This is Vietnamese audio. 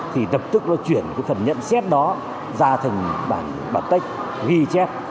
thì tập tức nó chuyển phần nhận xét đó ra thành bản tích ghi chép